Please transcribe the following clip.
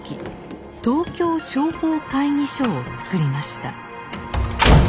東京商法会議所を作りました。